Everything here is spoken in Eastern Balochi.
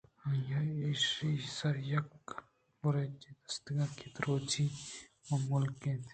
آئیءَ ایشی ءِسرءَ یک بُرجے دیست کہ درٛاجی ءَ مِک اَت